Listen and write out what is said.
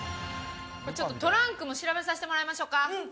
トランクも調べさせてもらいましょうか。